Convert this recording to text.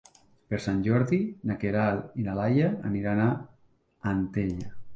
Per Sant Jordi na Queralt i na Laia aniran a Antella.